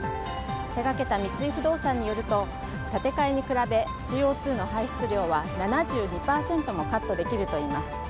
手がけた三井不動産によると建て替えに比べＣＯ２の排出量は７２％もカットできるといいます。